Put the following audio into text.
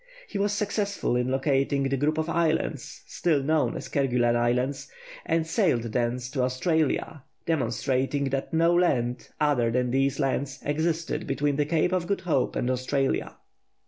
He was successful in locating the group of islands, still known as Kerguellen Islands, and sailed thence to Australia, demonstrating that no land, other than these islands, existed between the Cape of Good Hope and Australia.